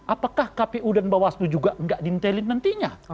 apakah kpu dan bawastu juga gak diintelin nantinya